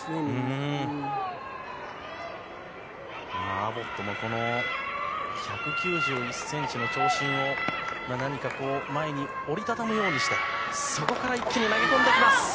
アボットも、この１９１センチの長身を何かこう、前に折り畳むようにして、そこから一気に投げ込んできます。